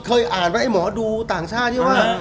เคยอ่านไว้หมอดูต่างชาติว่า